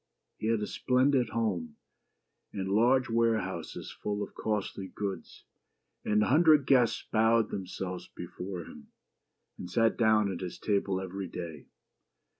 He had a splendid home, and large ware houses full of costly goods ; and a hundred guests bowed themselves before him, and sat down at his table every day.